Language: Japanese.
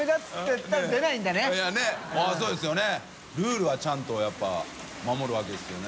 襦璽襪ちゃんとやっぱ守るわけですよね。